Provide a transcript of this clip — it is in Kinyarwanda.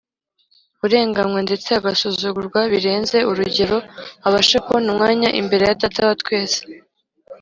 urenganywa ndetse agasuzugurwa birenze urugero, abashe kubona umwanya imbere ya Data wa twese.